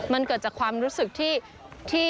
มันเกิดจากความรู้สึกที่